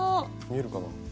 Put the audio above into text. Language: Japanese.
見えるかな？